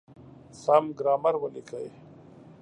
سم ګرامر وليکئ!.